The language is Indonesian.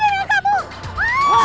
aku di sini aku di sini dengan kamu